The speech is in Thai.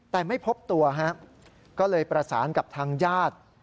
แต่ไม่พบตัวฮะก็เลยประสานกับทางญาติ